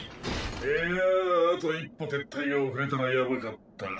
いやあと一歩撤退が遅れたらやばかった。